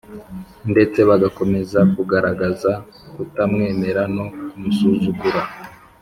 ndetse bagakomeza kugaragaza kutamwemera no kumusuzugura